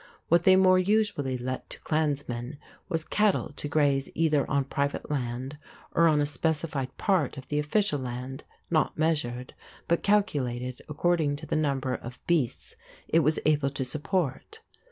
What they more usually let to clansmen was cattle to graze either on private land or on a specified part of the official land, not measured, but calculated according to the number of beasts it was able to support.